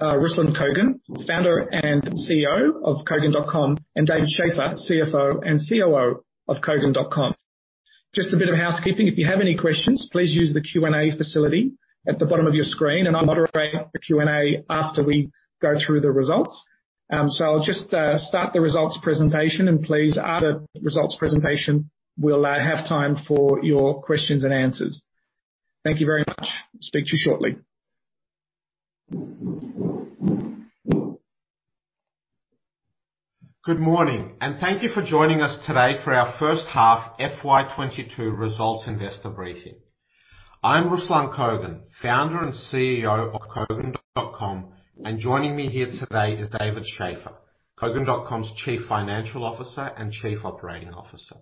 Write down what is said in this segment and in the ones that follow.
Ruslan Kogan, Founder and CEO of Kogan.com, and David Shafer, CFO and COO of Kogan.com. Just a bit of housekeeping. If you have any questions, please use the Q&A facility at the bottom of your screen, and I'll moderate the Q&A after we go through the results. Start the results presentation, and please after results presentation, we'll have time for your questions and answers. Thank you very much. Speak to you shortly. Good morning and thank you for joining us today for our H1 FY 2022 results investor briefing. I'm Ruslan Kogan, Founder and CEO of Kogan.com. Joining me here today is David Shafer, Kogan.com's Chief Financial Officer and Chief Operating Officer.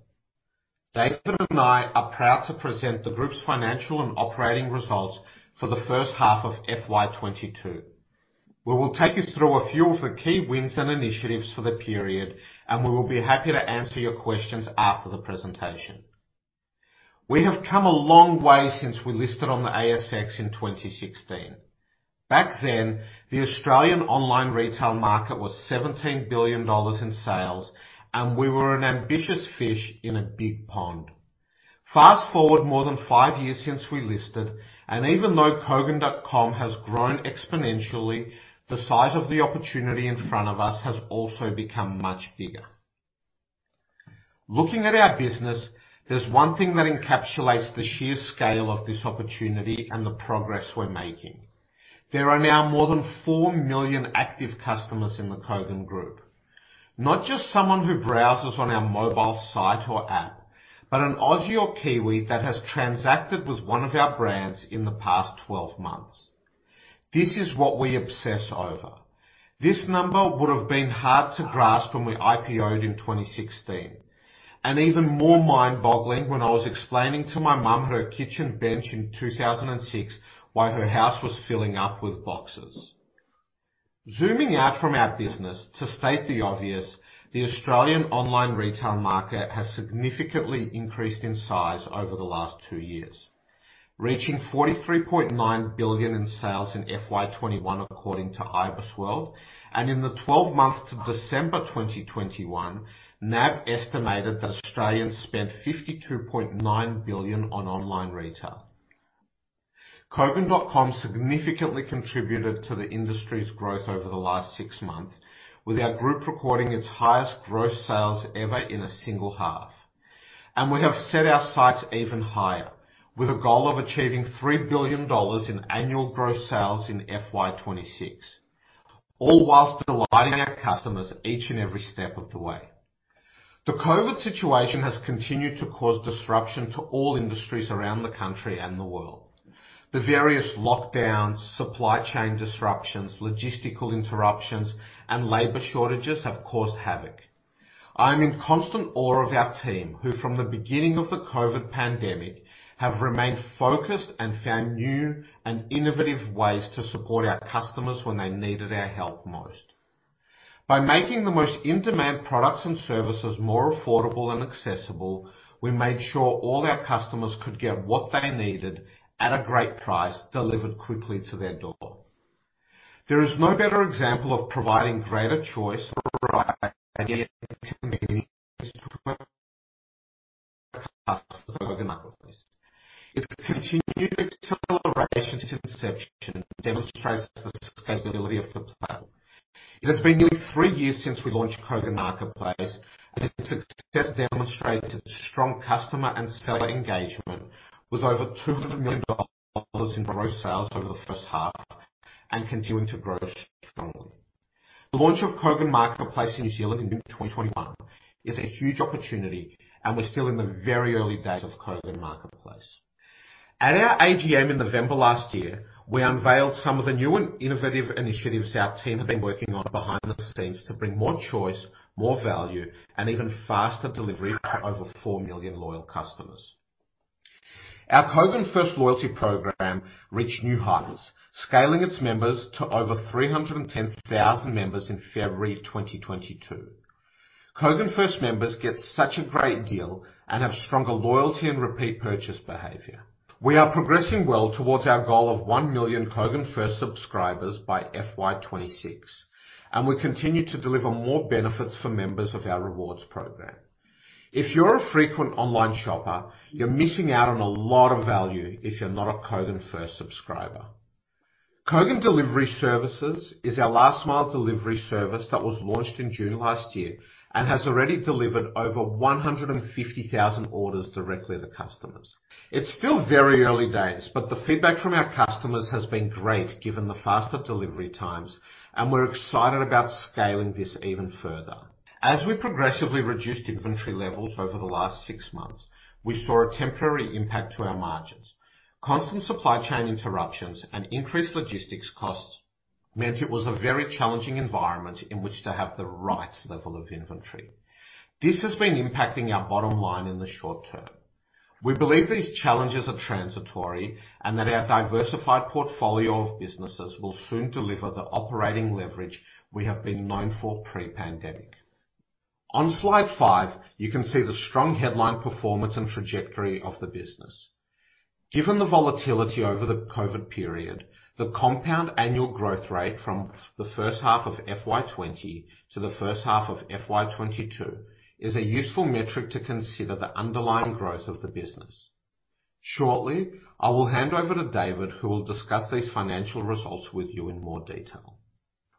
David and I are proud to present the group's financial and operating results for the H1 of FY 2022. We will take you through a few of the key wins and initiatives for the period, and we will be happy to answer your questions after the presentation. We have come a long way since we listed on the ASX in 2016. Back then, the Australian online retail market was 17 billion dollars in sales, and we were an ambitious fish in a big pond. Fast-forward more than five years since we listed, and even though Kogan.com has grown exponentially, the size of the opportunity in front of us has also become much bigger. Looking at our business, there's one thing that encapsulates the sheer scale of this opportunity and the progress we're making. There are now more than four million active customers in the Kogan Group. Not just someone who browses on our mobile site or app, but an Aussie or Kiwi that has transacted with one of our brands in the past 12 months. This is what we obsess over. This number would have been hard to grasp when we IPO'd in 2016, and even more mind-boggling when I was explaining to my mom at her kitchen bench in 2006 why her house was filling up with boxes. Zooming out from our business, to state the obvious, the Australian online retail market has significantly increased in size over the last two years, reaching 43.9 billion in sales in FY 2021 according to IBISWorld. In the 12 months to December 2021, NAB estimated that Australians spent 52.9 billion on online retail. Kogan.com significantly contributed to the industry's growth over the last six months, with our group recording its highest gross sales ever in a single half. We have set our sights even higher, with a goal of achieving 3 billion dollars in annual gross sales in FY 2026, all while delighting our customers each and every step of the way. The COVID situation has continued to cause disruption to all industries around the country and the world. The various lockdowns, supply chain disruptions, logistical interruptions, and labor shortages have caused havoc. I am in constant awe of our team, who from the beginning of the COVID pandemic, have remained focused and found new and innovative ways to support our customers when they needed our help most. By making the most in-demand products and services more affordable and accessible, we made sure all our customers could get what they needed at a great price, delivered quickly to their door. There is no better example of providing greater choice. Its continued acceleration to adoption demonstrates the scalability of the platform. It has been nearly three years since we launched Kogan Marketplace, and its success demonstrates strong customer and seller engagement with over 200 million dollars in gross sales over the H1 and continuing to grow strongly. The launch of Kogan Marketplace in New Zealand in mid-2021 is a huge opportunity, and we're still in the very early days of Kogan Marketplace. At our AGM in November last year, we unveiled some of the new and innovative initiatives our team have been working on behind the scenes to bring more choice, more value, and even faster delivery for over four million loyal customers. Our Kogan FIRST loyalty program reached new heights, scaling its members to over 310,000 members in February 2022. Kogan FIRST members get such a great deal and have stronger loyalty and repeat purchase behavior. We are progressing well towards our goal of one million Kogan FIRST subscribers by FY 2026, and we continue to deliver more benefits for members of our rewards program. If you're a frequent online shopper, you're missing out on a lot of value if you're not a Kogan FIRST subscriber. Kogan Delivery Services is our last-mile delivery service that was launched in June last year and has already delivered over 150,000 orders directly to customers. It's still very early days, but the feedback from our customers has been great given the faster delivery times, and we're excited about scaling this even further. As we progressively reduced inventory levels over the last six months, we saw a temporary impact to our margins. Constant supply chain interruptions and increased logistics costs meant it was a very challenging environment in which to have the right level of inventory. This has been impacting our bottom line in the short term. We believe these challenges are transitory and that our diversified portfolio of businesses will soon deliver the operating leverage we have been known for pre-pandemic. On slide four, you can see the strong headline performance and trajectory of the business. Given the volatility over the COVID period, the compound annual growth rate from the first half of FY 2020 to the H1 of FY 2022 is a useful metric to consider the underlying growth of the business. Shortly, I will hand over to David, who will discuss these financial results with you in more detail.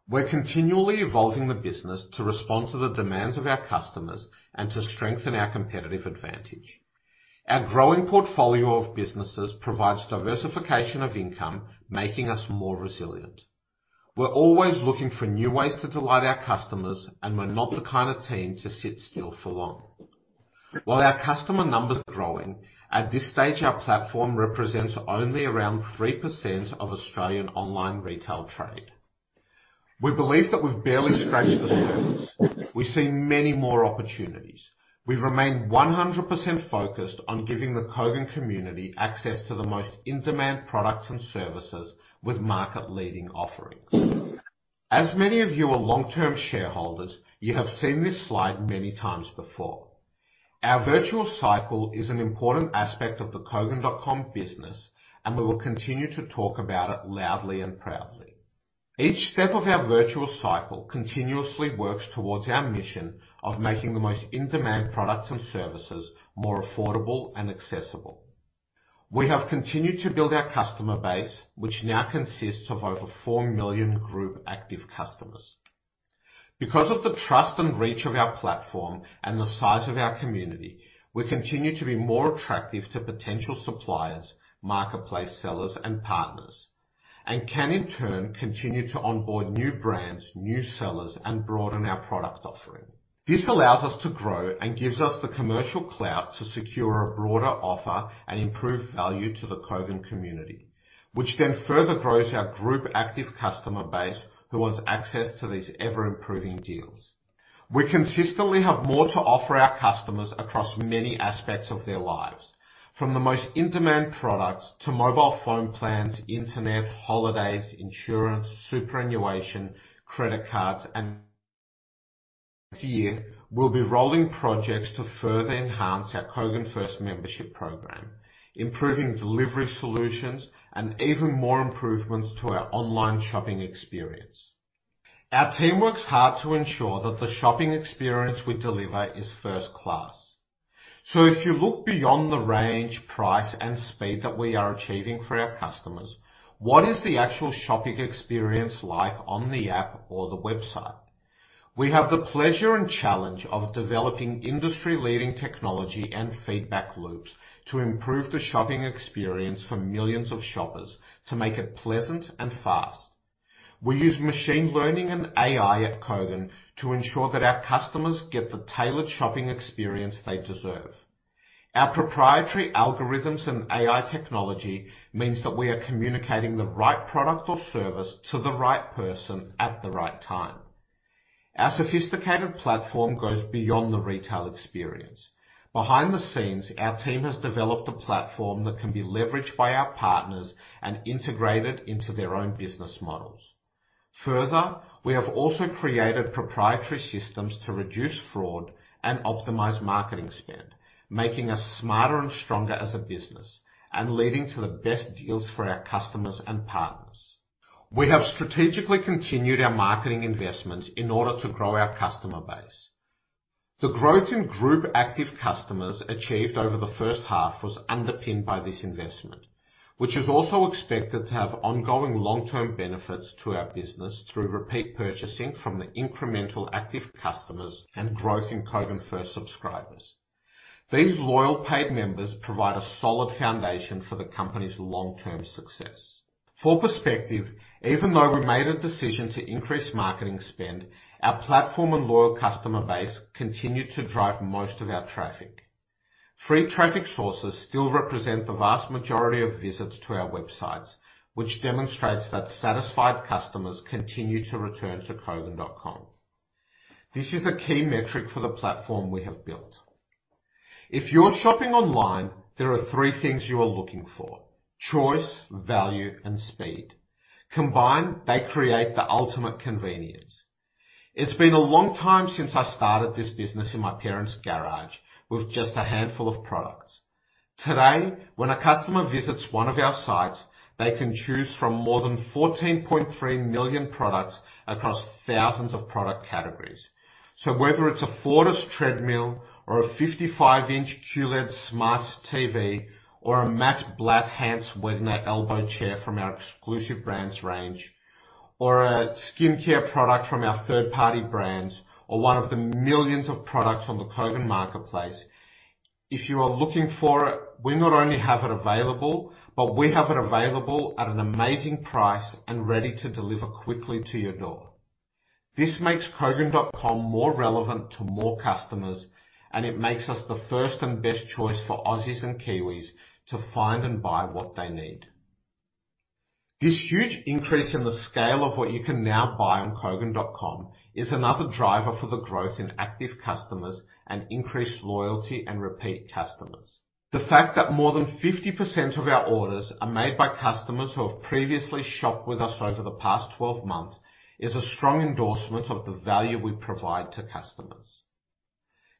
We're continually evolving the business to respond to the demands of our customers and to strengthen our competitive advantage. Our growing portfolio of businesses provides diversification of income, making us more resilient. We're always looking for new ways to delight our customers, and we're not the kind of team to sit still for long. While our customer numbers are growing, at this stage, our platform represents only around 3% of Australian online retail trade. We believe that we've barely scratched the surface. We see many more opportunities. We remain 100% focused on giving the Kogan community access to the most in-demand products and services with market-leading offerings. As many of you are long-term shareholders, you have seen this slide many times before. Our virtual cycle is an important aspect of the Kogan.com business, and we will continue to talk about it loudly and proudly. Each step of our virtual cycle continuously works towards our mission of making the most in-demand products and services more affordable and accessible. We have continued to build our customer base, which now consists of over four million group active customers. Because of the trust and reach of our platform and the size of our community, we continue to be more attractive to potential suppliers, marketplace sellers, and partners, and can in turn continue to onboard new brands, new sellers, and broaden our product offering. This allows us to grow and gives us the commercial clout to secure a broader offer and improve value to the Kogan community, which then further grows our group active customer base who wants access to these ever-improving deals. We consistently have more to offer our customers across many aspects of their lives, from the most in-demand products to mobile phone plans, internet, holidays, insurance, superannuation, credit cards. Next year, we'll be rolling projects to further enhance our Kogan FIRST membership program, improving delivery solutions and even more improvements to our online shopping experience. Our team works hard to ensure that the shopping experience we deliver is first-class. If you look beyond the range, price, and speed that we are achieving for our customers, what is the actual shopping experience like on the app or the website? We have the pleasure and challenge of developing industry-leading technology and feedback loops to improve the shopping experience for millions of shoppers to make it pleasant and fast. We use machine learning and AI at Kogan to ensure that our customers get the tailored shopping experience they deserve. Our proprietary algorithms and AI technology means that we are communicating the right product or service to the right person at the right time. Our sophisticated platform goes beyond the retail experience. Behind the scenes, our team has developed a platform that can be leveraged by our partners and integrated into their own business models. Further, we have also created proprietary systems to reduce fraud and optimize marketing spend, making us smarter and stronger as a business and leading to the best deals for our customers and partners. We have strategically continued our marketing investments in order to grow our customer base. The growth in group active customers achieved over the H1 was underpinned by this investment, which is also expected to have ongoing long-term benefits to our business through repeat purchasing from the incremental active customers and growth in Kogan FIRST subscribers. These loyal paid members provide a solid foundation for the company's long-term success. For perspective, even though we made a decision to increase marketing spend, our platform and loyal customer base continued to drive most of our traffic. Free traffic sources still represent the vast majority of visits to our websites, which demonstrates that satisfied customers continue to return to kogan.com. This is a key metric for the platform we have built. If you're shopping online, there are three things you are looking for, choice, value, and speed. Combined, they create the ultimate convenience. It's been a long time since I started this business in my parents' garage with just a handful of products. Today, when a customer visits one of our sites, they can choose from more than 14.3 million products across thousands of product categories. Whether it's a Fortis treadmill or a 55-inch QLED smart TV or a matte black Hans Wegner elbow chair from our exclusive brands range or a skincare product from our third-party brands or one of the millions of products on the Kogan Marketplace, if you are looking for it, we not only have it available, but we have it available at an amazing price and ready to deliver quickly to your door. This makes Kogan.com more relevant to more customers, and it makes us the first and best choice for Aussies and Kiwis to find and buy what they need. This huge increase in the scale of what you can now buy on kogan.com is another driver for the growth in active customers and increased loyalty and repeat customers. The fact that more than 50% of our orders are made by customers who have previously shopped with us over the past 12 months is a strong endorsement of the value we provide to customers.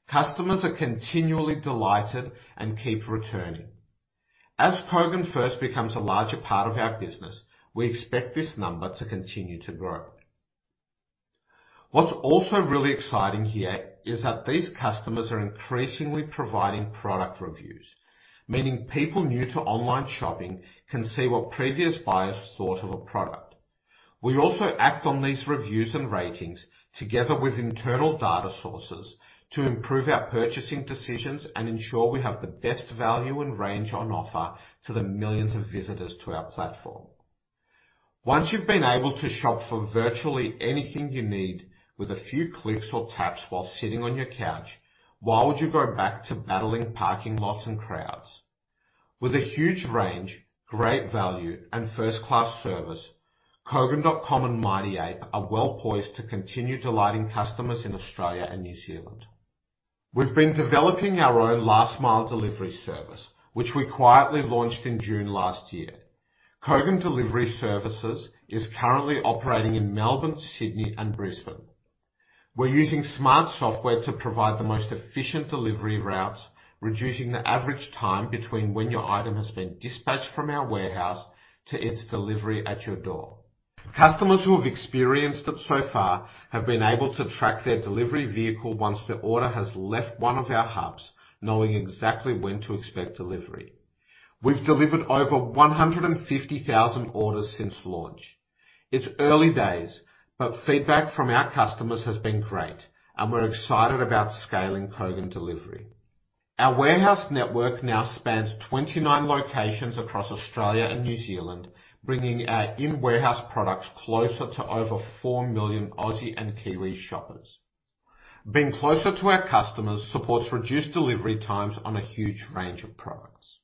Customers are continually delighted and keep returning. As Kogan FIRST becomes a larger part of our business, we expect this number to continue to grow. What's also really exciting here is that these customers are increasingly providing product reviews, meaning people new to online shopping can see what previous buyers thought of a product. We also act on these reviews and ratings together with internal data sources to improve our purchasing decisions and ensure we have the best value and range on offer to the millions of visitors to our platform. Once you've been able to shop for virtually anything you need with a few clicks or taps while sitting on your couch, why would you go back to battling parking lots and crowds? With a huge range, great value, and first-class service, Kogan.com and Mighty Ape are well-poised to continue delighting customers in Australia and New Zealand. We've been developing our own last mile delivery service, which we quietly launched in June last year. Kogan Delivery Services is currently operating in Melbourne, Sydney, and Brisbane. We're using smart software to provide the most efficient delivery routes, reducing the average time between when your item has been dispatched from our warehouse to its delivery at your door. Customers who have experienced it so far have been able to track their delivery vehicle once their order has left one of our hubs, knowing exactly when to expect delivery. We've delivered over 150,000 orders since launch. It's early days, but feedback from our customers has been great, and we're excited about scaling Kogan Delivery. Our warehouse network now spans 29 locations across Australia and New Zealand, bringing our in-warehouse products closer to over four million Aussie and Kiwi shoppers. Being closer to our customers supports reduced delivery times on a huge range of products.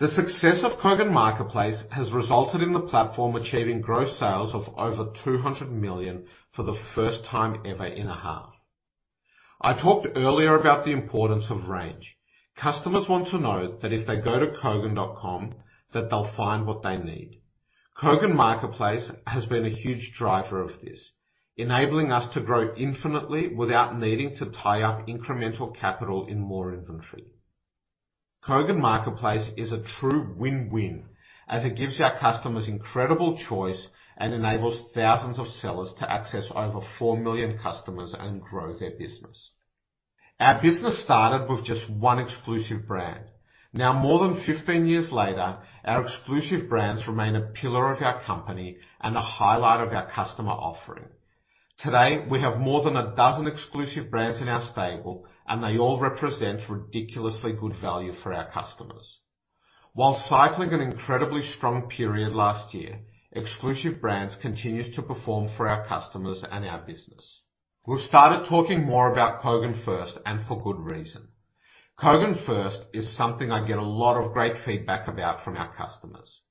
The success of Kogan Marketplace has resulted in the platform achieving gross sales of over 200 million for the first time ever in a half. I talked earlier about the importance of range. Customers want to know that if they go to kogan.com that they'll find what they need. Kogan Marketplace has been a huge driver of this, enabling us to grow infinitely without needing to tie up incremental capital in more inventory. Kogan Marketplace is a true win-win, as it gives our customers incredible choice and enables thousands of sellers to access over four million customers and grow their business. Our business started with just one exclusive brand. Now more than 15 years later, our exclusive brands remain a pillar of our company and a highlight of our customer offering. Today, we have more than a dozen exclusive brands in our stable, and they all represent ridiculously good value for our customers. While cycling an incredibly strong period last year, exclusive brands continues to perform for our customers and our business. We've started talking more about Kogan FIRST and for good reason. Kogan FIRST is something I get a lot of great feedback about from our customers.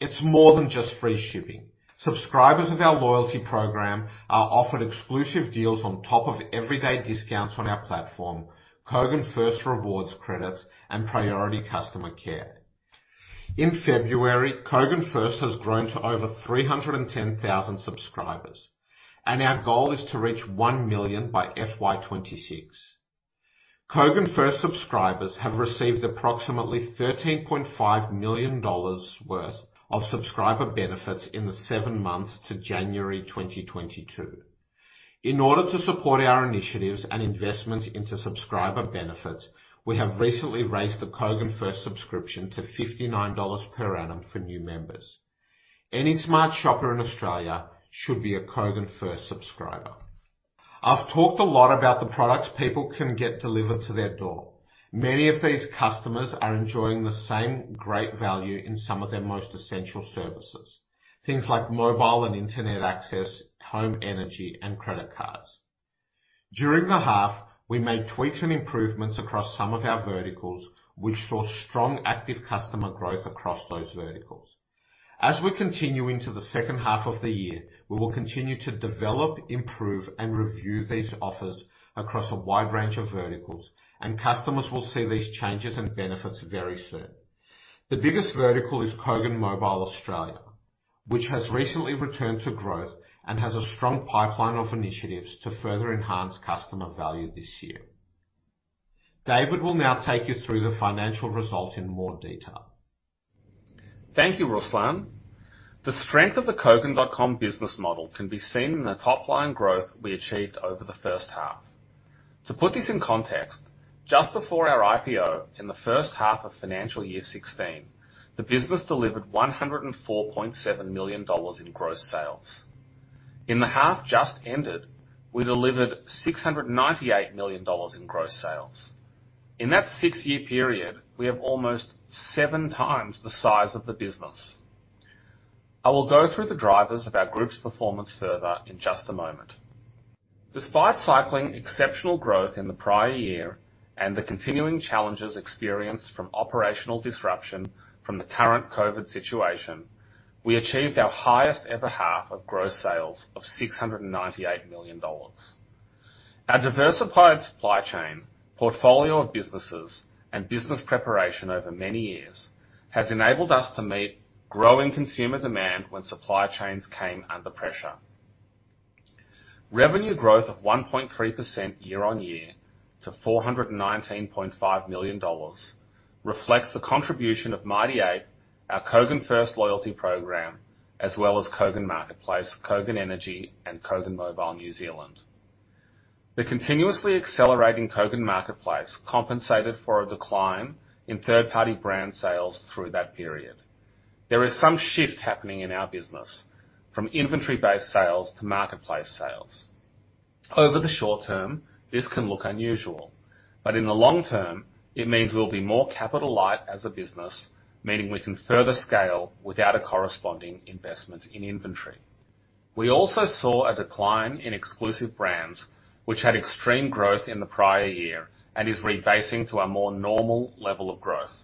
It's more than just free shipping. Subscribers of our loyalty program are offered exclusive deals on top of everyday discounts on our platform, Kogan FIRST Rewards credits, and priority customer care. In February, Kogan FIRST has grown to over 310,000 subscribers, and our goal is to reach one million by FY 2026. Kogan FIRST subscribers have received approximately 13.5 million dollars worth of subscriber benefits in the seven months to January 2022. In order to support our initiatives and investments into subscriber benefits, we have recently raised the Kogan FIRST subscription to 59 dollars per annum for new members. Any smart shopper in Australia should be a Kogan FIRST subscriber. I've talked a lot about the products people can get delivered to their door. Many of these customers are enjoying the same great value in some of their most essential services, things like mobile and internet access, home energy, and credit cards. During the half, we made tweaks and improvements across some of our verticals, which saw strong active customer growth across those verticals. As we continue into the H2 of the year, we will continue to develop, improve, and review these offers across a wide range of verticals, and customers will see these changes and benefits very soon. The biggest vertical is Kogan Mobile Australia, which has recently returned to growth and has a strong pipeline of initiatives to further enhance customer value this year. David will now take you through the financial result in more detail. Thank you, Ruslan. The strength of the Kogan.com business model can be seen in the top line growth we achieved over the H1. To put this in context, just before our IPO in the H1 of financial year 2016, the business delivered 104.7 million dollars in gross sales. In the half just ended, we delivered 698 million dollars in gross sales. In that six-year period, we have almost 7x the size of the business. I will go through the drivers of our group's performance further in just a moment. Despite cycling exceptional growth in the prior year and the continuing challenges experienced from operational disruption from the current COVID situation, we achieved our highest ever half of gross sales of 698 million dollars. Our diversified supply chain, portfolio of businesses, and business preparation over many years has enabled us to meet growing consumer demand when supply chains came under pressure. Revenue growth of 1.3% year-on-year to 419.5 million dollars reflects the contribution of Mighty Ape, our Kogan FIRST loyalty program, as well as Kogan Marketplace, Kogan Energy, and Kogan Mobile New Zealand. The continuously accelerating Kogan Marketplace compensated for a decline in third-party brand sales through that period. There is some shift happening in our business from inventory-based sales to marketplace sales. Over the short term, this can look unusual, but in the long term, it means we'll be more capital light as a business, meaning we can further scale without a corresponding investment in inventory. We also saw a decline in exclusive brands, which had extreme growth in the prior year and is rebasing to a more normal level of growth.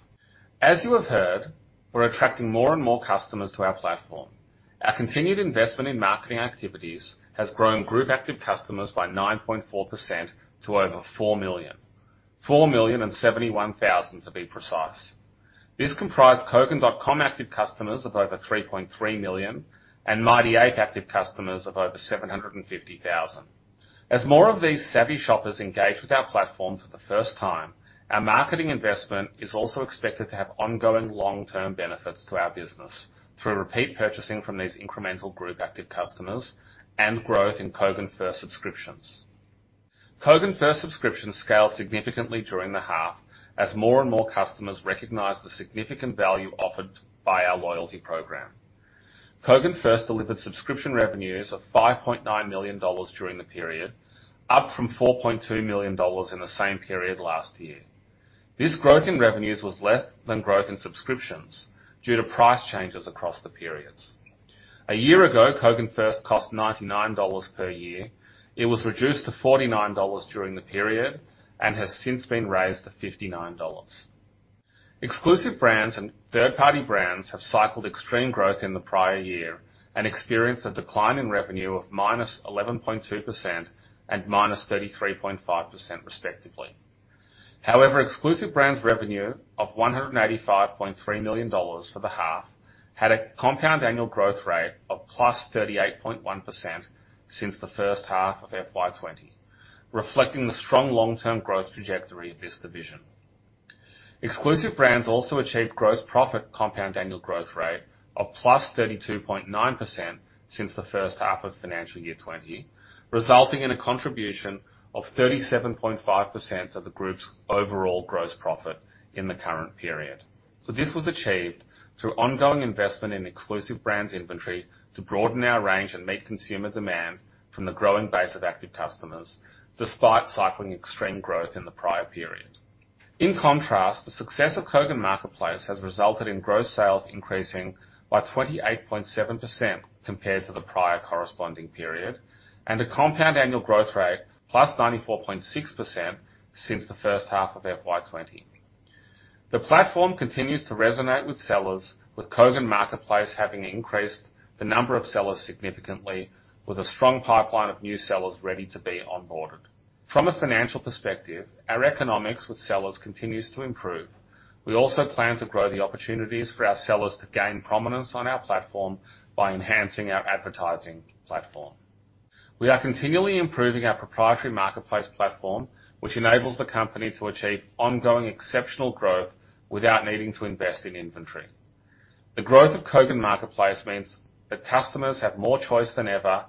As you have heard, we're attracting more and more customers to our platform. Our continued investment in marketing activities has grown group active customers by 9.4% to over four million. 4,071,000 to be precise. This comprised Kogan.com active customers of over 3,300000 and Mighty Ape active customers of over 750,000. As more of these savvy shoppers engage with our platform for the first time, our marketing investment is also expected to have ongoing long-term benefits to our business through repeat purchasing from these incremental group active customers and growth in Kogan FIRST subscriptions. Kogan FIRST subscriptions scaled significantly during the half as more and more customers recognized the significant value offered by our loyalty program. Kogan FIRST delivered subscription revenues of 5.9 million dollars during the period, up from 4.2 million dollars in the same period last year. This growth in revenues was less than growth in subscriptions due to price changes across the periods. A year ago, Kogan FIRST cost 99 dollars per year. It was reduced to 49 dollars during the period and has since been raised to 59 dollars. Exclusive brands and third-party brands have cycled extreme growth in the prior year and experienced a decline in revenue of -11.2% and -33.5% respectively. However, Exclusive Brands revenue of AUD 185.3 million for the half had a compound annual growth rate of +38.1% since the H1 of FY 2020, reflecting the strong long-term growth trajectory of this division. Exclusive Brands also achieved gross profit compound annual growth rate of +32.9% since the H1 of FY 2020, resulting in a contribution of 37.5% of the group's overall gross profit in the current period. This was achieved through ongoing investment in Exclusive Brands inventory to broaden our range and meet consumer demand from the growing base of active customers, despite cycling extreme growth in the prior period. In contrast, the success of Kogan Marketplace has resulted in gross sales increasing by 28.7% compared to the prior corresponding period, and a compound annual growth rate +94.6% since the H1 of FY 2020. The platform continues to resonate with sellers, with Kogan Marketplace having increased the number of sellers significantly with a strong pipeline of new sellers ready to be onboarded. From a financial perspective, our economics with sellers continues to improve. We also plan to grow the opportunities for our sellers to gain prominence on our platform by enhancing our advertising platform. We are continually improving our proprietary marketplace platform, which enables the company to achieve ongoing exceptional growth without needing to invest in inventory. The growth of Kogan Marketplace means that customers have more choice than ever,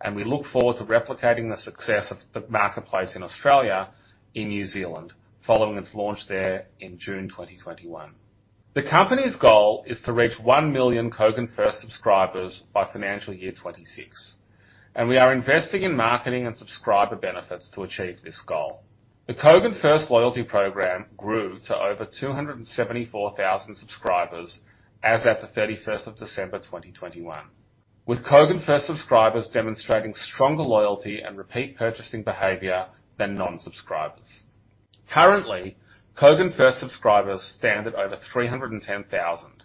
and we look forward to replicating the success of the marketplace in Australia, in New Zealand following its launch there in June 2021. The company's goal is to reach one million Kogan FIRST subscribers by financial year 2026, and we are investing in marketing and subscriber benefits to achieve this goal. The Kogan FIRST loyalty program grew to over 274,000 subscribers as at the end of December 31, 2021, with Kogan FIRST subscribers demonstrating stronger loyalty and repeat purchasing behavior than non-subscribers. Currently, Kogan FIRST subscribers stand at over 310,000.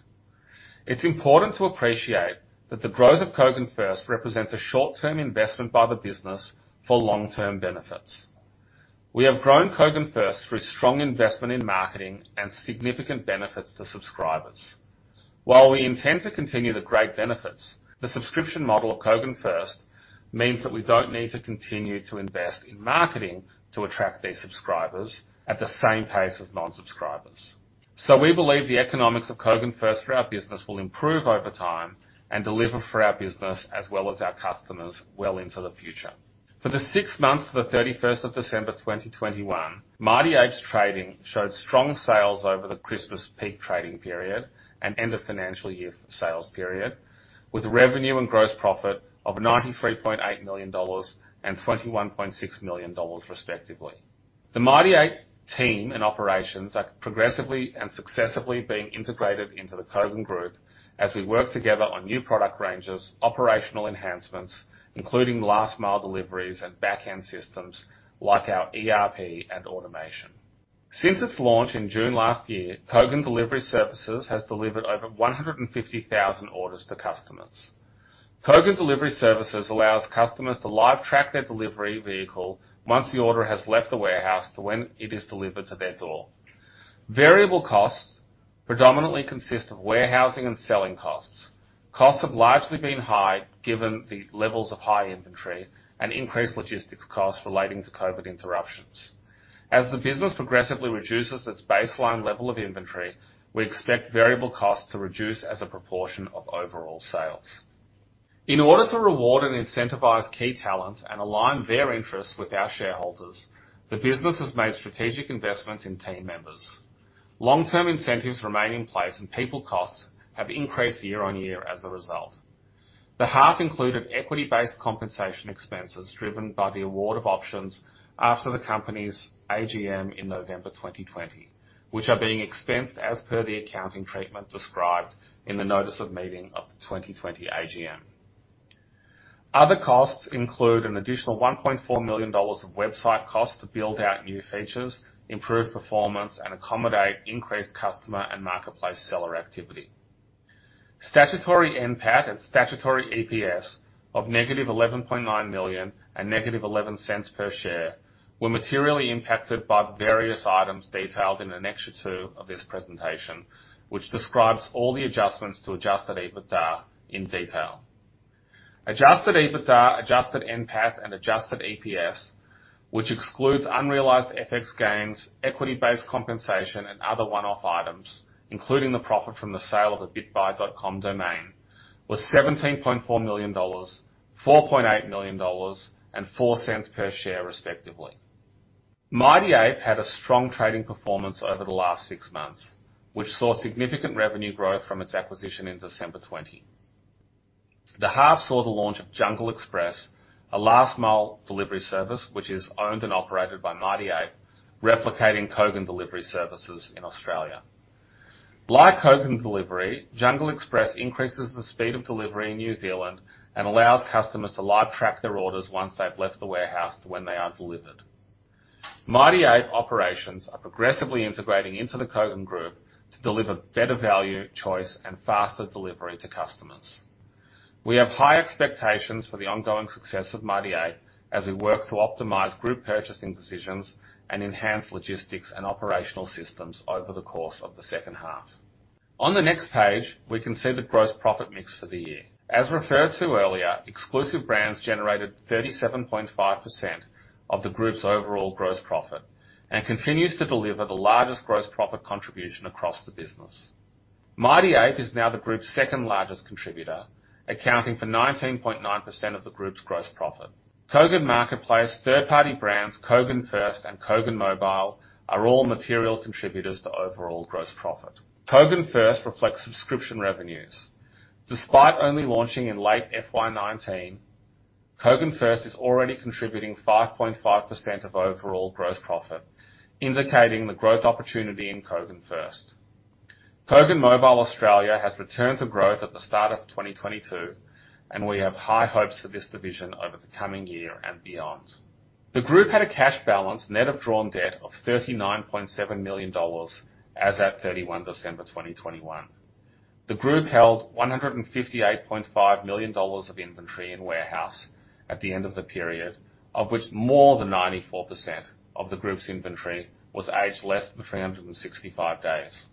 It's important to appreciate that the growth of Kogan FIRST represents a short-term investment by the business for long-term benefits. We have grown Kogan FIRST through strong investment in marketing and significant benefits to subscribers. While we intend to continue the great benefits, the subscription model of Kogan FIRST means that we don't need to continue to invest in marketing to attract these subscribers at the same pace as non-subscribers. We believe the economics of Kogan FIRST for our business will improve over time and deliver for our business as well as our customers well into the future. For the six months to the of December 31, 2021, Mighty Ape's trading showed strong sales over the Christmas peak trading period and end of financial year sales period, with revenue and gross profit of 93.8 million dollars and 21.6 million dollars, respectively. The Mighty Ape team and operations are progressively and successfully being integrated into the Kogan Group as we work together on new product ranges, operational enhancements, including last mile deliveries and back-end systems like our ERP and automation. Since its launch in June last year, Kogan Delivery Services has delivered over 150,000 orders to customers. Kogan Delivery Services allows customers to live track their delivery vehicle once the order has left the warehouse to when it is delivered to their door. Variable costs predominantly consist of warehousing and selling costs. Costs have largely been high given the levels of high inventory and increased logistics costs relating to COVID interruptions. As the business progressively reduces its baseline level of inventory, we expect variable costs to reduce as a proportion of overall sales. In order to reward and incentivize key talent and align their interests with our shareholders, the business has made strategic investments in team members. Long-term incentives remain in place, and people costs have increased year-over-year as a result. The half-included equity-based compensation expenses driven by the award of options after the company's AGM in November 2020, which are being expensed as per the accounting treatment described in the notice of meeting of the 2020 AGM. Other costs include an additional 1.4 million dollars of website costs to build out new features, improve performance, and accommodate increased customer and marketplace seller activity. Statutory NPAT and statutory EPS of -11.9 million and -0.11 per share were materially impacted by the various items detailed in annexure two of this presentation, which describes all the adjustments to adjusted EBITDA in detail. Adjusted EBITDA, adjusted NPAT, and adjusted EPS, which excludes unrealized FX gains, equity-based compensation, and other one-off items, including the profit from the sale of the bitbuy.com domain, was 17.4 million dollars, 4.8 million dollars, and 0.04 per share, respectively. Mighty Ape had a strong trading performance over the last six months, which saw significant revenue growth from its acquisition in December 2020. The half saw the launch of Jungle Express, a last-mile delivery service which is owned and operated by Mighty Ape, replicating Kogan Delivery Services in Australia. Like Kogan Delivery, Jungle Express increases the speed of delivery in New Zealand and allows customers to live track their orders once they've left the warehouse to when they are delivered. Mighty Ape operations are progressively integrating into the Kogan Group to deliver better value, choice, and faster delivery to customers. We have high expectations for the ongoing success of Mighty Ape as we work to optimize group purchasing decisions and enhance logistics and operational systems over the course of the H2. On the next page, we can see the gross profit mix for the year. As referred to earlier, exclusive brands generated 37.5% of the group's overall gross profit and continues to deliver the largest gross profit contribution across the business. Mighty Ape is now the group's second-largest contributor, accounting for 19.9% of the group's gross profit. Kogan Marketplace, Third Party Brands, Kogan First, and Kogan Mobile are all material contributors to overall gross profit. Kogan First reflects subscription revenues. Despite only launching in late FY 2019, Kogan First is already contributing 5.5% of overall gross profit, indicating the growth opportunity in Kogan First. Kogan Mobile Australia has returned to growth at the start of 2022, and we have high hopes for this division over the coming year and beyond. The group had a cash balance net of drawn debt of 39.7 million dollars as at December 31, 2021. The group held 158.5 million dollars of inventory in warehouse at the end of the period, of which more than 94% of the group's inventory was aged less than 365 days.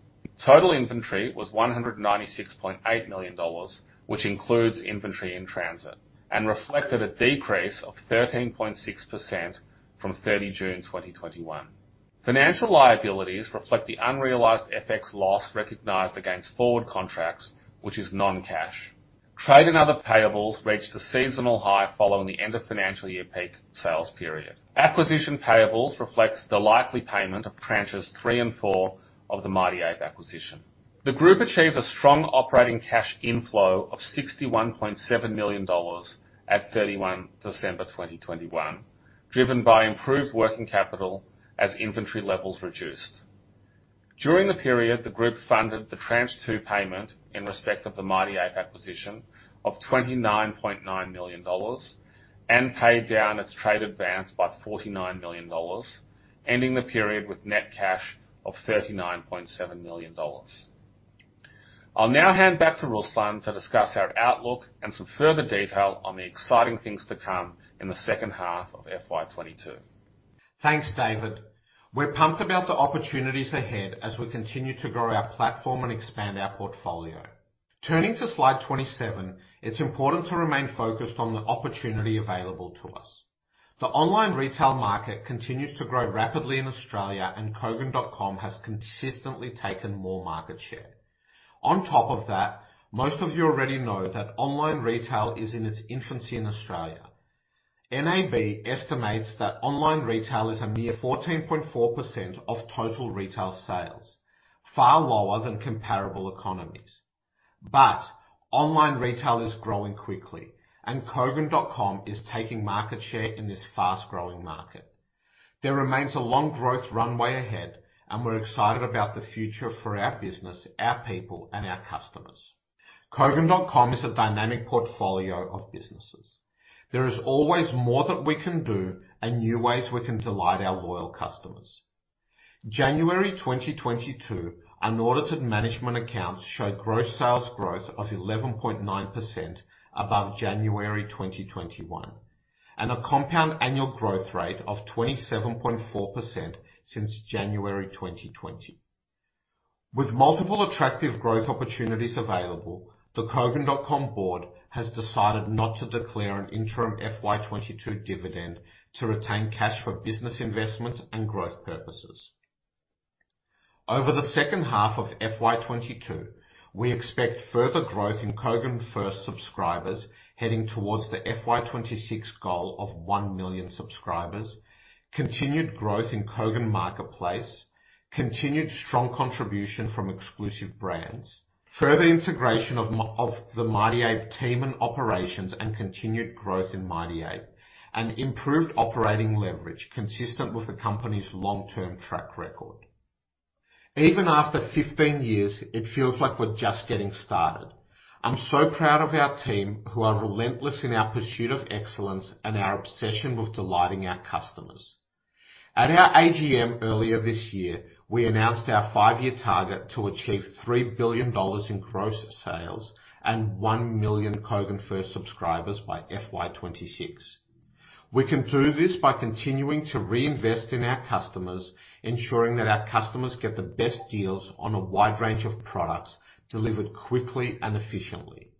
Total inventory was 196.8 million dollars, which includes inventory in transit, and reflected a decrease of 13.6% from June 30, 2021. Financial liabilities reflect the unrealized FX loss recognized against forward contracts, which is non-cash. Trade and other payables reached a seasonal high following the end of financial year peak sales period. Acquisition payables reflects the likely payment of tranches three and four of the Mighty Ape acquisition. The group achieved a strong operating cash inflow of AUD 61.7 million at December 31, 2021, driven by improved working capital as inventory levels reduced. During the period, the group funded the tranche two payment in respect of the Mighty Ape acquisition of 29.9 million dollars and paid down its trade advance by 49 million dollars, ending the period with net cash of 39.7 million dollars. I'll now hand back to Ruslan to discuss our outlook and some further detail on the exciting things to come in the H2 of FY 2022. Thanks, David. We're pumped about the opportunities ahead as we continue to grow our platform and expand our portfolio. Turning to slide 27, it's important to remain focused on the opportunity available to us. The online retail market continues to grow rapidly in Australia, and kogan.com has consistently taken more market share. On top of that, most of you already know that online retail is in its infancy in Australia. NAB estimates that online retail is a mere 14.4% of total retail sales, far lower than comparable economies. Online retail is growing quickly, and kogan.com is taking market share in this fast-growing market. There remains a long growth runway ahead, and we're excited about the future for our business, our people, and our customers. kogan.com is a dynamic portfolio of businesses. There is always more that we can do and new ways we can delight our loyal customers. January 2022 unaudited management accounts show gross sales growth of 11.9% above January 2021. A compound annual growth rate of 27.4% since January 2020. With multiple attractive growth opportunities available, the Kogan.com board has decided not to declare an interim FY 2022 dividend to retain cash for business investments and growth purposes. Over the H2 of FY 2022, we expect further growth in Kogan FIRST subscribers heading towards the FY 2026 goal of one million subscribers. Continued growth in Kogan Marketplace, continued strong contribution from exclusive brands, further integration of the Mighty Ape team and operations, and continued growth in Mighty Ape, and improved operating leverage consistent with the company's long-term track record. Even after 15 years, it feels like we're just getting started. I'm so proud of our team, who are relentless in our pursuit of excellence and our obsession with delighting our customers. At our AGM earlier this year, we announced our five-year target to achieve 3 billion dollars in gross sales and one million Kogan FIRST subscribers by FY 2026. We can do this by continuing to reinvest in our customers, ensuring that our customers get the best deals on a wide range of products delivered quickly and efficiently.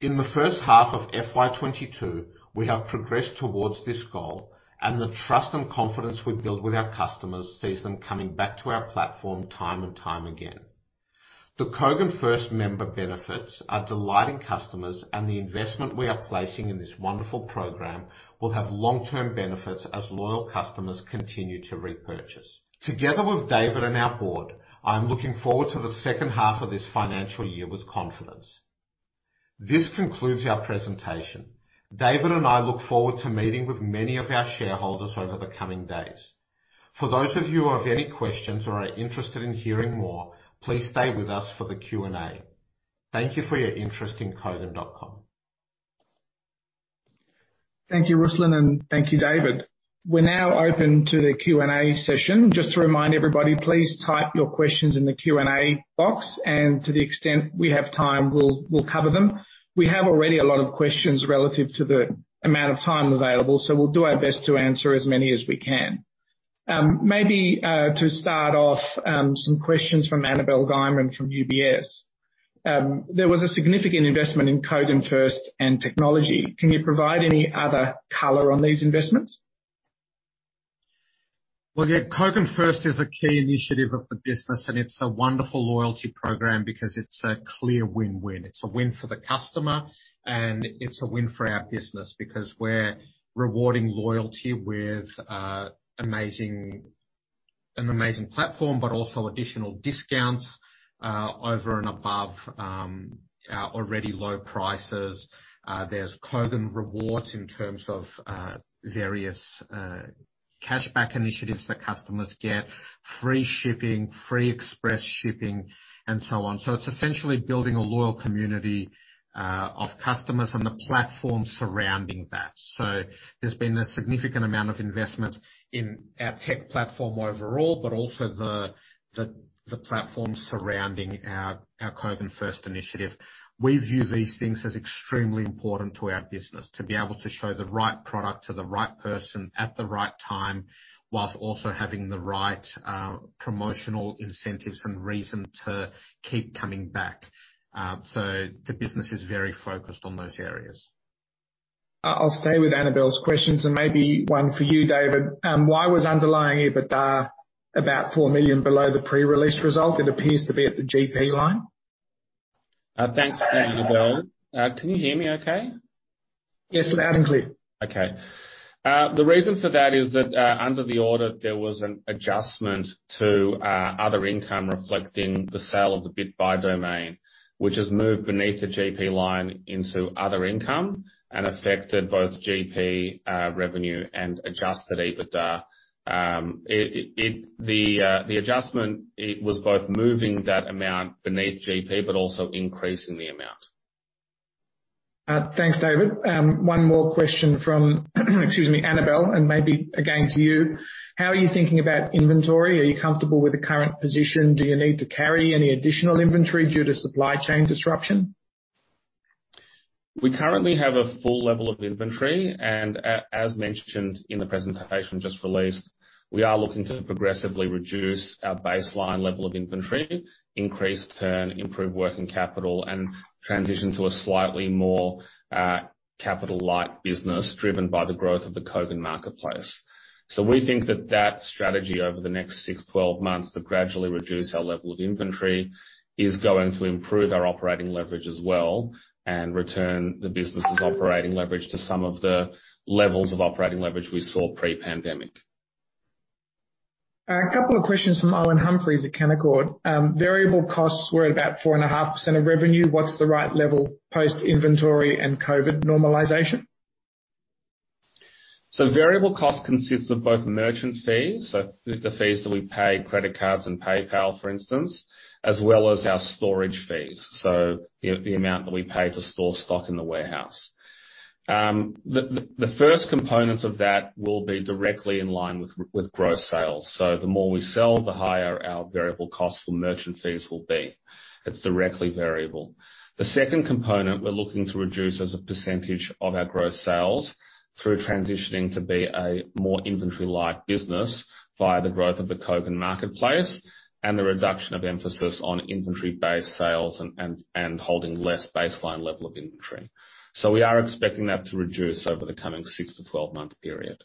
In the H1 of FY 2022, we have progressed towards this goal, and the trust and confidence we build with our customers sees them coming back to our platform time and time again. The Kogan FIRST member benefits are delighting customers, and the investment we are placing in this wonderful program will have long-term benefits as loyal customers continue to repurchase. Together with David and our board, I am looking forward to the H2 of this financial year with confidence. This concludes our presentation. David and I look forward to meeting with many of our shareholders over the coming days. For those of you who have any questions or are interested in hearing more, please stay with us for the Q&A. Thank you for your interest in kogan.com. Thank you, Ruslan, and thank you, David. We're now open to the Q&A session. Just to remind everybody, please type your questions in the Q&A box, and to the extent we have time, we'll cover them. We have already a lot of questions relative to the amount of time available, so we'll do our best to answer as many as we can. Maybe to start off, some questions from Annabel Guymon from UBS. There was a significant investment in Kogan FIRST and technology. Can you provide any other color on these investments? Well, yeah. Kogan FIRST is a key initiative of the business, and it's a wonderful loyalty program because it's a clear win-win. It's a win for the customer, and it's a win for our business because we're rewarding loyalty with an amazing platform, but also additional discounts over and above our already low prices. There's Kogan Rewards in terms of various cash back initiatives that customers get, free shipping, free express shipping, and so on. It's essentially building a loyal community of customers and the platform surrounding that. There's been a significant amount of investment in our tech platform overall, but also the platform surrounding our Kogan FIRST initiative. We view these things as extremely important to our business, to be able to show the right product to the right person at the right time, while also having the right, promotional incentives and reason to keep coming back. The business is very focused on those areas. I'll stay with Annabel's questions and maybe one for you, David. Why was underlying EBITDA about 4 million below the pre-release result? It appears to be at the GP line. Thanks, Annabel. Can you hear me okay? Yes, loud and clear. Okay. The reason for that is that under the order, there was an adjustment to other income reflecting the sale of the Bitbuy domain, which has moved beneath the GP line into other income and affected both GP revenue and adjusted EBITDA. It was both moving that amount beneath GP, but also increasing the amount. Thanks, David. One more question from, excuse me, Annabel, and maybe again to you. How are you thinking about inventory? Are you comfortable with the current position? Do you need to carry any additional inventory due to supply chain disruption? We currently have a full level of inventory, as mentioned in the presentation just released, we are looking to progressively reduce our baseline level of inventory, increase turn, improve working capital, and transition to a slightly more capital-light business driven by the growth of the Kogan Marketplace. We think that strategy over the next six, 12 months to gradually reduce our level of inventory is going to improve our operating leverage as well and return the business's operating leverage to some of the levels of operating leverage we saw pre-pandemic. A couple of questions from Owen Humphreys at Canaccord. Variable costs were at about 4.5% of revenue. What's the right level post-inventory and COVID normalization? Variable cost consists of both merchant fees, so the fees that we pay, credit cards and PayPal, for instance, as well as our storage fees, so the amount that we pay to store stock in the warehouse. The first components of that will be directly in line with gross sales. The more we sell, the higher our variable cost for merchant fees will be. It's directly variable. The second component we're looking to reduce as a percentage of our gross sales through transitioning to be a more inventory-light business via the growth of the Kogan Marketplace and the reduction of emphasis on inventory-based sales and holding less baseline level of inventory. We are expecting that to reduce over the coming six-12-month period.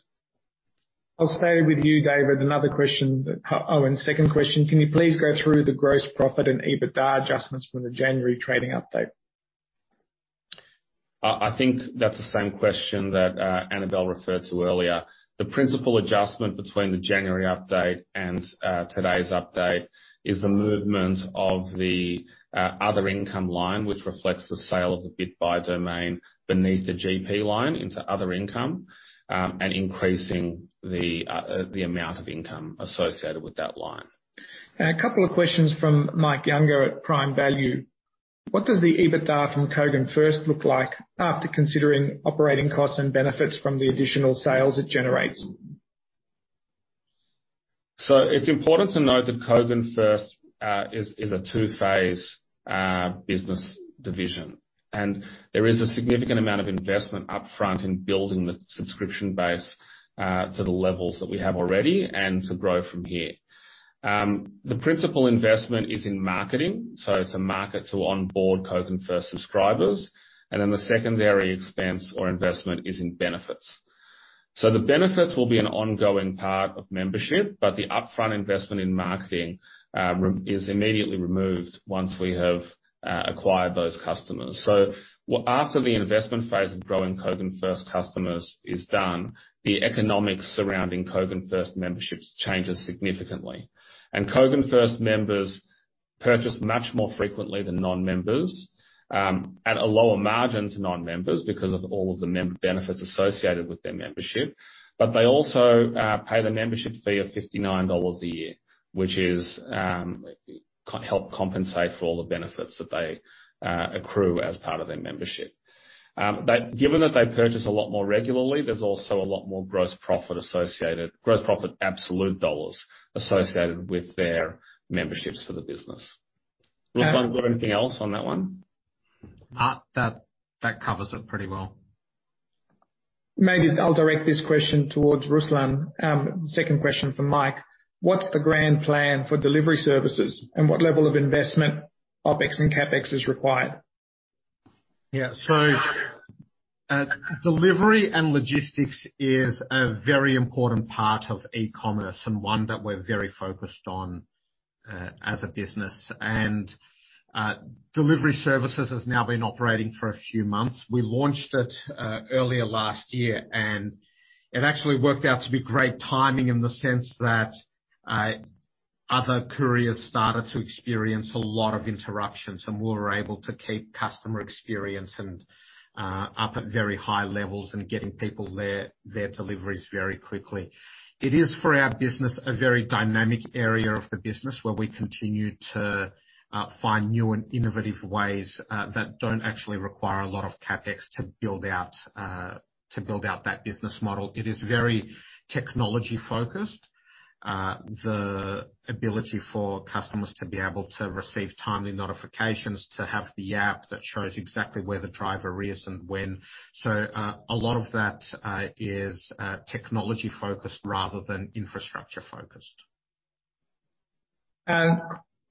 I'll stay with you, David. Another question, and second question, can you please go through the gross profit and EBITDA adjustments from the January trading update? I think that's the same question that Annabel referred to earlier. The principal adjustment between the January update and today's update is the movement of the other income line, which reflects the sale of the Bitbuy domain beneath the GP line into other income, and increasing the amount of income associated with that line. A couple of questions from Mike Younger at Prime Value. What does the EBITDA from Kogan FIRST look like after considering operating costs and benefits from the additional sales it generates? It's important to note that Kogan FIRST is a two-phase business division, and there is a significant amount of investment up front in building the subscription base to the levels that we have already and to grow from here. The principal investment is in marketing, so to market to onboard Kogan FIRST subscribers, and then the secondary expense or investment is in benefits. The benefits will be an ongoing part of membership, but the upfront investment in marketing is immediately removed once we have acquired those customers. After the investment phase of growing Kogan FIRST customers is done, the economics surrounding Kogan FIRST memberships changes significantly. Kogan FIRST members purchase much more frequently than non-members at a lower margin to non-members because of all of the benefits associated with their membership. They also pay the membership fee of 59 million dollars a year, which helps compensate for all the benefits that they accrue as part of their membership. Given that they purchase a lot more regularly, there's also a lot more gross profit associated, gross profit absolute dollars, associated with their memberships for the business. Ruslan, have you got anything else on that one? That covers it pretty well. Maybe I'll direct this question towards Ruslan. Second question from Mike. What's the grand plan for delivery services, and what level of investment, OpEx and CapEx is required? Yeah. Delivery and logistics is a very important part of e-commerce and one that we're very focused on as a business. Delivery services has now been operating for a few months. We launched it earlier last year, and it actually worked out to be great timing in the sense that other couriers started to experience a lot of interruptions, and we were able to keep customer experience and up at very high levels and getting people their deliveries very quickly. It is, for our business, a very dynamic area of the business where we continue to find new and innovative ways that don't actually require a lot of CapEx to build out that business model. It is very technology-focused, the ability for customers to be able to receive timely notifications, to have the app that shows exactly where the driver is and when. A lot of that is technology-focused rather than infrastructure-focused.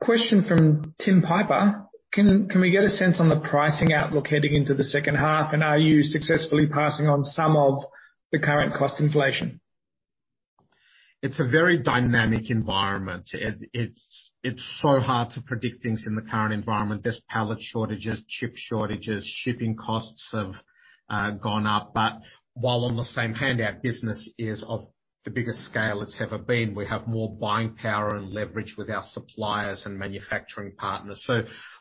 Question from Tim Piper. Can we get a sense on the pricing outlook heading into the H2, and are you successfully passing on some of the current cost inflation? It's a very dynamic environment. It's so hard to predict things in the current environment. There's pallet shortages, chip shortages, shipping costs have gone up. While on the same hand, our business is of the biggest scale it's ever been. We have more buying power and leverage with our suppliers and manufacturing partners.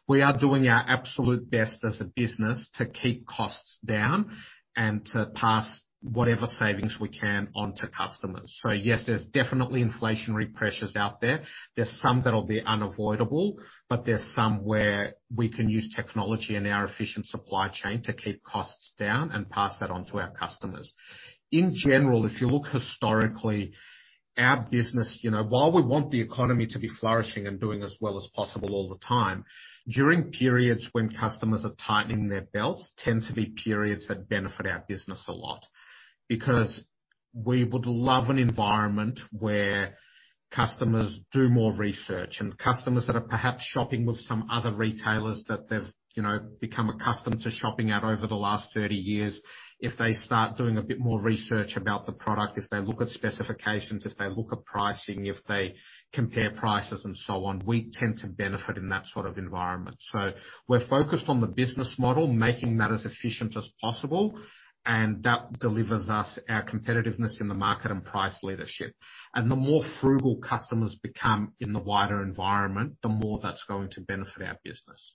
We are doing our absolute best as a business to keep costs down and to pass whatever savings we can on to customers. Yes, there's definitely inflationary pressures out there. There's some that'll be unavoidable, but there's some where we can use technology and our efficient supply chain to keep costs down and pass that on to our customers. In general, if you look historically, our business, you know, while we want the economy to be flourishing and doing as well as possible all the time, during periods when customers are tightening their belts tend to be periods that benefit our business a lot. Because we would love an environment where customers do more research, and customers that are perhaps shopping with some other retailers that they've, you know, become accustomed to shopping at over the last 30 years, if they start doing a bit more research about the product, if they look at specifications, if they look at pricing, if they look to compare prices and so on, we tend to benefit in that sort of environment. We're focused on the business model, making that as efficient as possible, and that delivers us our competitiveness in the market and price leadership. The more frugal customers become in the wider environment, the more that's going to benefit our business.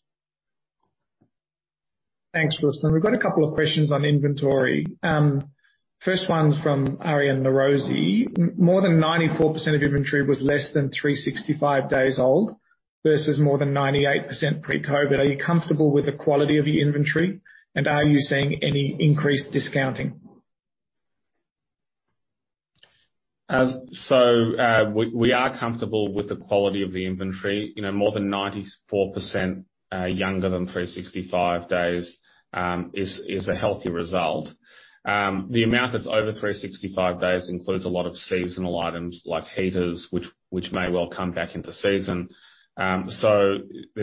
Thanks, Ruslan. We've got a couple of questions on inventory. First one's from Arianna Neurosi. More than 94% of inventory was less than 365 days old versus more than 98% pre-COVID. Are you comfortable with the quality of the inventory, and are you seeing any increased discounting? We are comfortable with the quality of the inventory. You know, more than 94% younger than 365 days is a healthy result. The amount that's over 365 days includes a lot of seasonal items like heaters, which may well come back into season. There's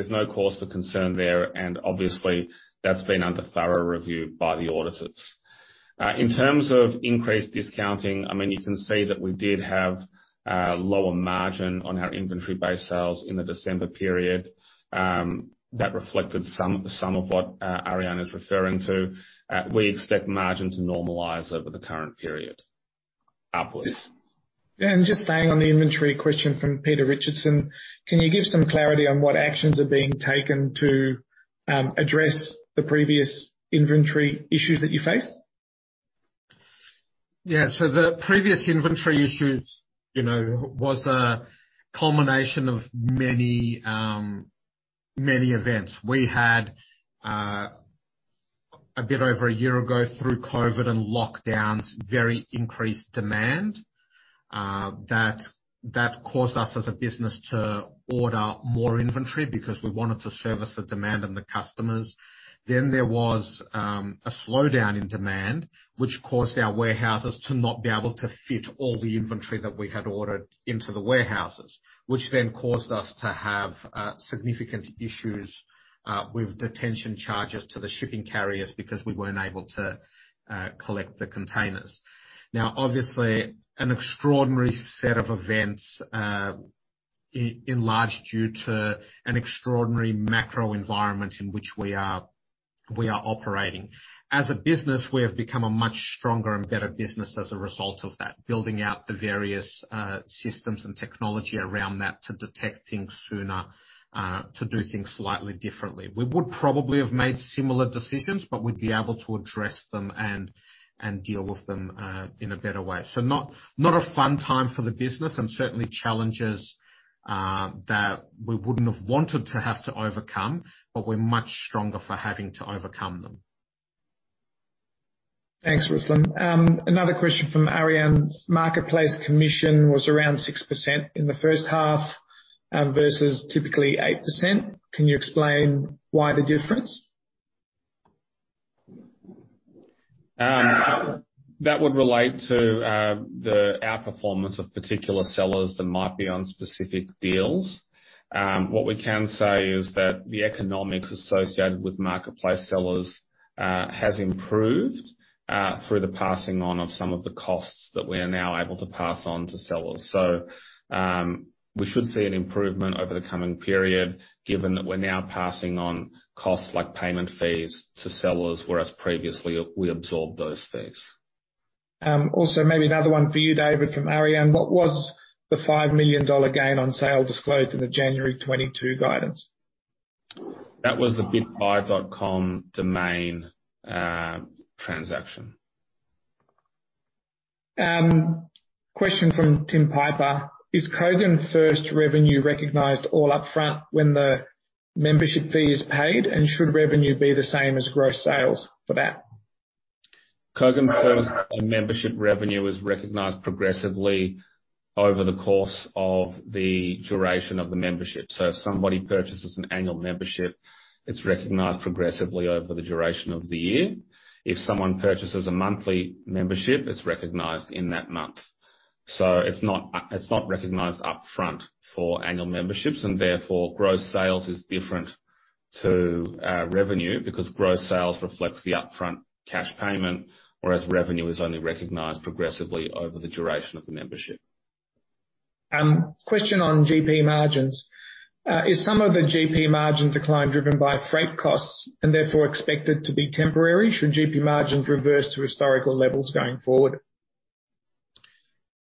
no cause for concern there, and obviously that's been under thorough review by the auditors. In terms of increased discounting, I mean, you can see that we did have lower margin on our inventory-based sales in the December period. That reflected some of what Arianna's referring to. We expect margin to normalize over the current period upwards. Just staying on the inventory question from Peter Richardson. Can you give some clarity on what actions are being taken to address the previous inventory issues that you faced? Yeah. The previous inventory issues, you know, was a culmination of many events. We had a bit over a year ago through COVID and lockdowns, very increased demand that caused us as a business to order more inventory because we wanted to service the demand and the customers. Then there was a slowdown in demand, which caused our warehouses to not be able to fit all the inventory that we had ordered into the warehouses, which then caused us to have significant issues with detention charges to the shipping carriers because we weren't able to collect the containers. Now, obviously, an extraordinary set of events in large part due to an extraordinary macro environment in which we are operating. As a business, we have become a much stronger and better business as a result of that, building out the various, systems and technology around that to detect things sooner, to do things slightly differently. We would probably have made similar decisions, but we'd be able to address them and deal with them, in a better way. Not a fun time for the business, and certainly challenges that we wouldn't have wanted to have to overcome, but we're much stronger for having to overcome them. Thanks, Ruslan. Another question from Arianna. Marketplace commission was around 6% in the H1, versus typically 8%. Can you explain why the difference? That would relate to the outperformance of particular sellers that might be on specific deals. What we can say is that the economics associated with marketplace sellers has improved through the passing on of some of the costs that we are now able to pass on to sellers. We should see an improvement over the coming period, given that we're now passing on costs like payment fees to sellers, whereas previously we absorbed those fees. Also maybe another one for you, David, from Arianna. What was the 5 million dollar gain on sale disclosed in the January 2022 guidance? That was the bitbuy.com domain transaction. Question from Tim Piper. Is Kogan FIRST revenue recognized all up front when the membership fee is paid? Should revenue be the same as gross sales for that? Kogan FIRST membership revenue is recognized progressively over the course of the duration of the membership. If somebody purchases an annual membership, it's recognized progressively over the duration of the year. If someone purchases a monthly membership, it's recognized in that month. It's not recognized up front for annual memberships, and therefore, gross sales is different to revenue because gross sales reflects the upfront cash payment, whereas revenue is only recognized progressively over the duration of the membership. Question on GP margins. Is some of the GP margin decline driven by freight costs and therefore expected to be temporary? Should GP margins reverse to historical levels going forward?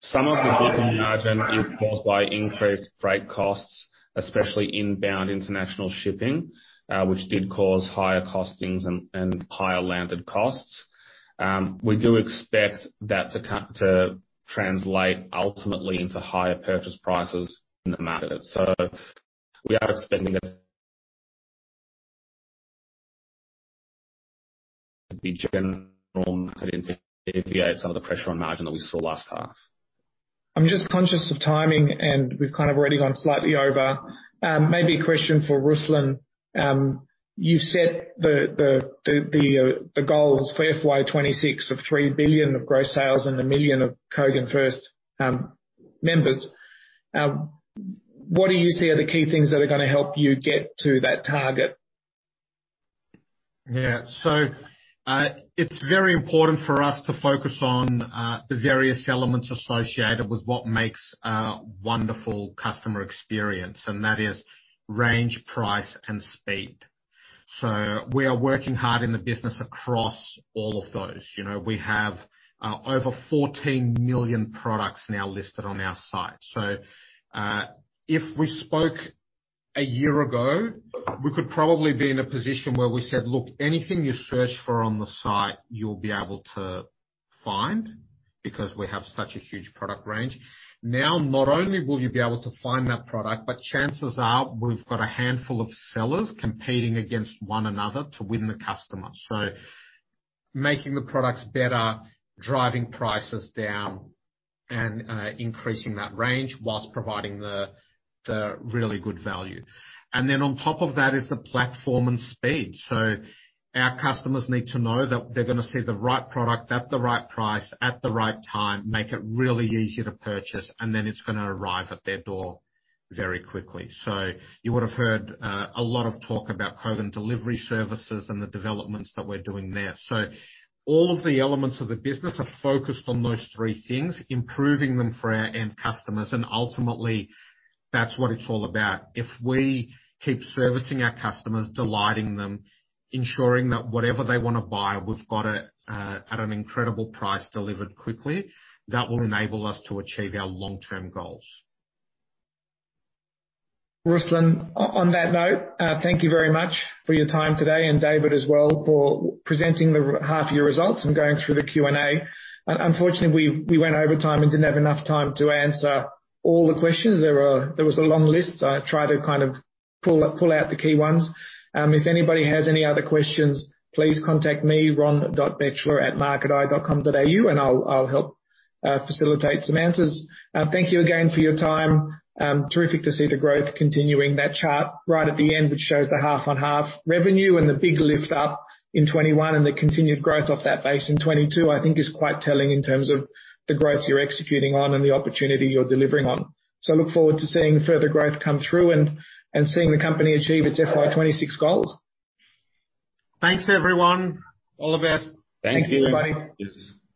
Some of the GP margin is caused by increased freight costs, especially inbound international shipping, which did cause higher costings and higher landed costs. We do expect that to translate ultimately into higher purchase prices in the market. We are expecting it to be general. I'm just conscious of timing, and we've kind of already gone slightly over. Maybe a question for Ruslan. You've set the goals for FY 2026 of 3 billion of gross sales and one million Kogan FIRST members. What do you see are the key things that are gonna help you get to that target? Yeah, it's very important for us to focus on the various elements associated with what makes a wonderful customer experience, and that is range, price, and speed. We are working hard in the business across all of those. You know, we have over 14 million products now listed on our site. If we spoke a year ago, we could probably be in a position where we said, "Look, anything you search for on the site, you'll be able to find, because we have such a huge product range." Now, not only will you be able to find that product, but chances are we've got a handful of sellers competing against one another to win the customer. Making the products better, driving prices down, and increasing that range while providing the really good value. Then on top of that is the platform and speed. Our customers need to know that they're gonna see the right product at the right price at the right time, make it really easy to purchase, and then it's gonna arrive at their door very quickly. You would have heard a lot of talk about Kogan Delivery Services and the developments that we're doing there. All of the elements of the business are focused on those three things, improving them for our end customers, and ultimately, that's what it's all about. If we keep servicing our customers, delighting them, ensuring that whatever they wanna buy, we've got it, at an incredible price delivered quickly, that will enable us to achieve our long-term goals. Ruslan, on that note, thank you very much for your time today, and David as well, for presenting the half year results and going through the Q&A. Unfortunately, we went over time and didn't have enough time to answer all the questions. There was a long list. I tried to kind of pull out the key ones. If anybody has any other questions, please contact me ron.bechler@marketeye.com.au and I'll help facilitate some answers. Thank you again for your time. Terrific to see the growth continuing. That chart right at the end, which shows the half on half revenue and the big lift up in 2021 and the continued growth off that base in 2022, I think is quite telling in terms of the growth you're executing on and the opportunity you're delivering on. I look forward to seeing further growth come through and seeing the company achieve its FY 2026 goals. Thanks, everyone. All the best. Thank you. Thank you, everybody.